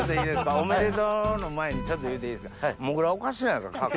「おめでとう」の前にちょっと言うていいですか？